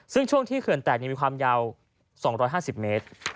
ซึ่งช่วงที่เขื่อนแตกมีความยาว๒๕๐เมตร